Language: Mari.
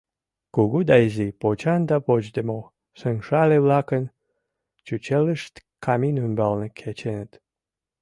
Кугу да изи, почан да почдымо шыҥшале-влакын чучелышт камин ӱмбалне кеченыт.